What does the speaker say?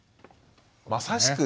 まさしく